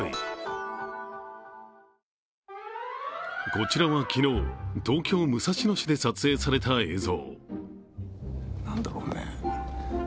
こちらは昨日、東京・武蔵野市で撮影された映像。